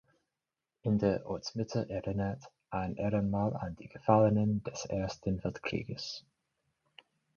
In der Ortsmitte erinnert ein Ehrenmal an die Gefallenen des Ersten Weltkrieges.